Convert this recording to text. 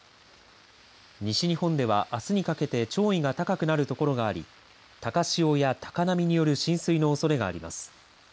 西日本では、あすにかけて潮位が高くなるところがあり高潮や高波による浸水のおそれがあります。